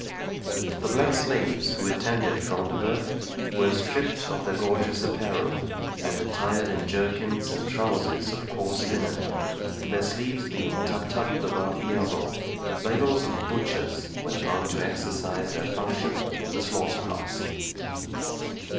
The black slaves who attended Front de Bœuf were stripped of their gorgeous apparel, and attired in jerkins and trowsers of coarse linen, their sleeves being tucked up above the elbow, like those of butchers when about to exercise their function in the slaughter house.